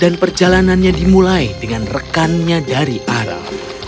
dan perjalanannya dimulai dengan rekannya dari arab